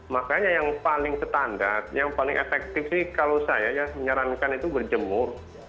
makanya yang paling standar yang paling efektif sih kalau saya ya menyarankan itu berjemur